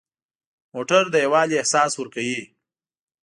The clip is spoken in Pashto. موټر د یووالي احساس ورکوي.